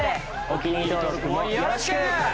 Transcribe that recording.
お気に入り登録もよろしく！